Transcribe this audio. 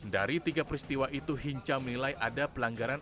dari tiga peristiwa itu hinca menilai ada pelanggaran